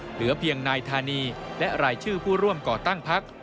เหลือเพียงนายธานีและรายชื่อผู้ร่วมก่อตั้งพัก